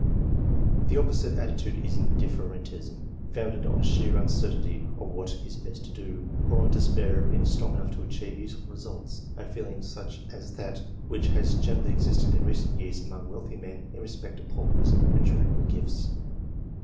The Q 2 228 ENGLISH MEN OF SCIENCE. [chap. opposite attitude is indiiSerentism, founded on sheer uncertainty of what is best to do, or on despair of being strong enough to achieve useful results ; a feeling such as that which has gene rally existed in recent years among wealthy men in respect to pauperism and charitable gifts.